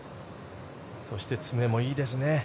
そして、詰めもいいですね。